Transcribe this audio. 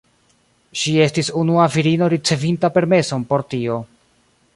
Ŝi estis unua virino ricevinta permeson por tio.